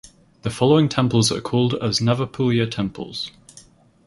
The following temples are called as Nava Puliyur Temples.